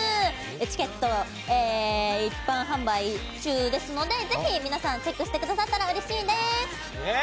チケット一般販売中ですのでチェックしてくださったらうれしいです！